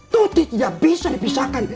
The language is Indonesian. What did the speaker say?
tuti tidak bisa dipisahkan